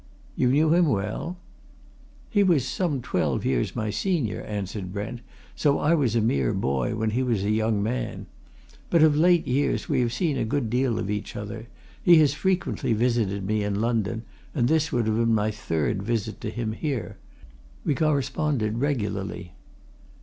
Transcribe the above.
"You knew him well?" "He was some twelve years my senior," answered Brent, "so I was a mere boy when he was a young man. But of late years we have seen a good deal of each other he has frequently visited me in London, and this would have been my third visit to him here. We corresponded regularly."